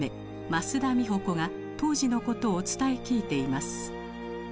益田美保子が当時のことを伝え聞いています。